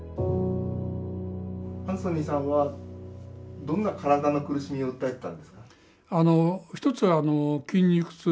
アンソニーさんはどんな体の苦しみを訴えてたんですか？